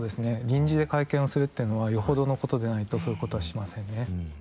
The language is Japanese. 臨時で会見をするっていうのはよほどのことでないとそういうことはしませんね。